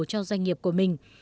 cho doanh nghiệp của mình